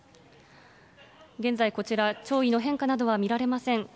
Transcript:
現在、こちら、潮位の変化などは見られません。